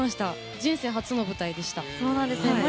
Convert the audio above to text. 人生初の舞台でした。